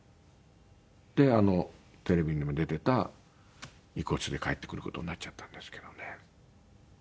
でテレビにも出てた遺骨で帰ってくる事になっちゃったんですけどね。